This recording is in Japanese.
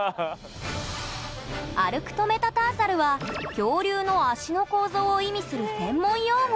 アルクトメタターサルは恐竜の脚の構造を意味する専門用語